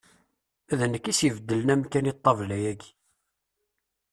D nekk i s-ibeddlen amkan i ṭṭabla-yaki.